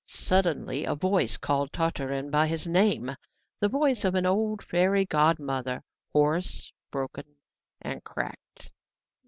Suddenly a voice called Tartarin by his name, the voice of an old fairy godmother, hoarse, broken, and cracked.